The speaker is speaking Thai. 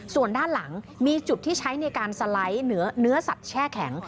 ส่วนด้านหลังมีจุดที่ใช้ในการสไลด์เนื้อสัตว์แช่แข็ง